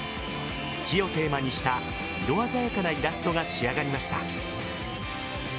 木をテーマにした色鮮やかなイラストが仕上がりました。